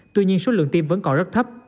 tuy nhiên số lượng tiêm vẫn còn rất thấp